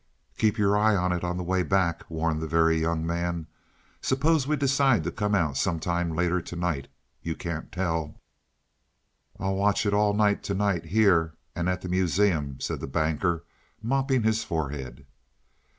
"Keep your eye on it on the way back," warned the Very Young Man. "Suppose we decide to come out some time later to night you can't tell." "I'll watch it all night to night, here and at the Museum," said the Banker, mopping his forehead.